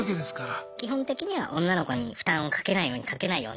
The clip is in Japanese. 基本的には女の子に負担をかけないようにかけないように。